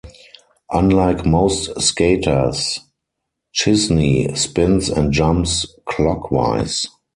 Unlike most skaters, Czisny spins and jumps clockwise.